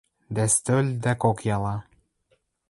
Дӓ стӧл док кокъяла